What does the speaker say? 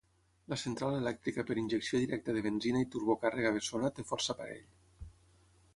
La central elèctrica per injecció directa de benzina i turbocàrrega bessona té força parell.